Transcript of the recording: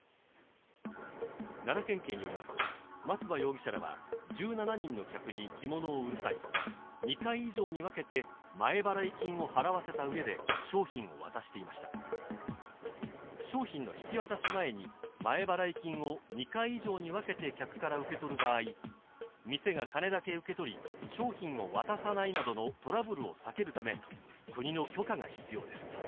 奈良県警によりますと松葉容疑者らは１７人の客に着物を売る際に２回以上に分けて前払い金を払わせたうえで商品を渡していました商品の引き渡し前に前払い金を２回以上に分けて客から受け取る場合店が金だけ受け取り商品を渡さないなどのトラブルを避けるため国の許可が必要です